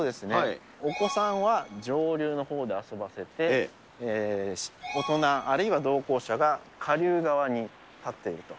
お子さんは上流のほうで遊ばせて、大人、あるいは同行者が下流側に立っていると。